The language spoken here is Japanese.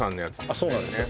そうなんですよ